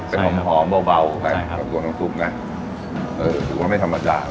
ใช่ไหมเป็นขอมหอมเบาเบาใช่ไหมตัวทั้งซุปนะถือว่าไม่ธรรมดา